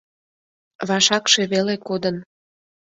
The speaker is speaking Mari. Вашакше веле кодын.